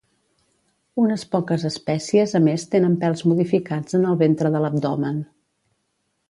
Unes poques espècies a més tenen pèls modificats en el ventre de l'abdomen.